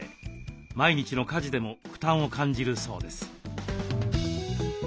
毎日の家事でも負担を感じるそうです。